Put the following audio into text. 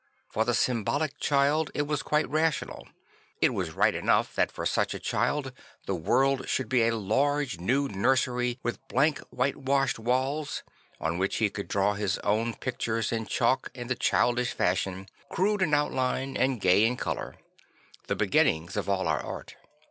For the symbolic child it was quite rational. It was right enough that for such a child the world should be a large new nursery with blank white washed walls, on which he could draw his own pictures in chalk in the childish fashion, crude in outline and gay in colour; the beginnings of all our art.